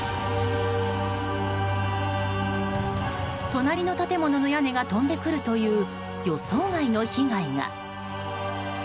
隣の建物の屋根が飛んでくるという予想外の被害が。